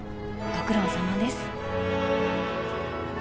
ご苦労さまです。